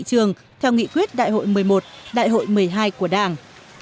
trường theo nghị quyết đại hội một mươi một đại hội một mươi hai của đảng